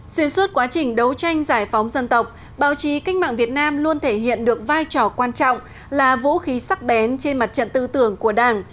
xuyên suốt quá trình đấu tranh giải phóng dân tộc báo chí cách mạng việt nam luôn thể hiện được vai trò quan trọng là vũ khí sắc bén trên mặt trận tư tưởng của đảng